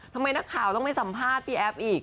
ทำไมนักข่าวต้องไปสัมภาษณ์พี่แอฟอีก